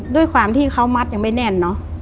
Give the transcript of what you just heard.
ด้วยความที่เขามัดยังไม่แน่นเนอะ